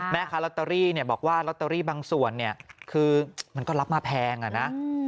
แม่ค้าลอตเตอรี่เนี่ยบอกว่าลอตเตอรี่บางส่วนเนี่ยคือมันก็รับมาแพงอ่ะนะ